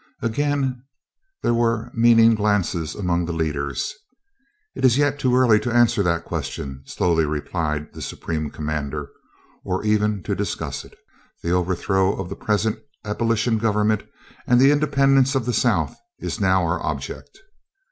Again there were meaning glances among the leaders. "It is yet too early to answer that question," slowly replied the Supreme Commander, "or even to discuss it. The overthrow of the present Abolition government and the independence of the South is now our object."